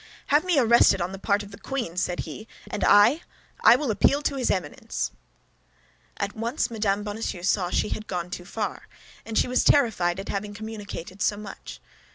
"Have me arrested on the part of the queen," said he, "and I—I will appeal to his Eminence." At once Mme. Bonacieux saw that she had gone too far, and she was terrified at having communicated so much.